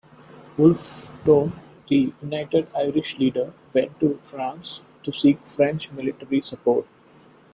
Wolfe Tone, the United Irish leader, went to France to seek French military support.